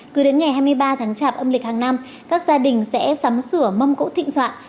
cứ đến ngày hai mươi ba tháng chạp âm lịch hàng năm các gia đình sẽ sắm sửa mâm cỗ thịnh soạn